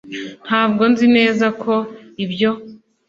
Ntabwo nzi neza ko ibyo